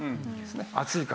暑いから。